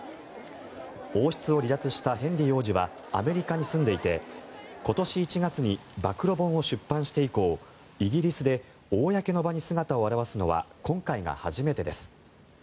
王室を離脱したヘンリー王子はアメリカに住んでいて今年１月に暴露本を出版して以降イギリスで公の場に姿を現すのは今回が初めてです。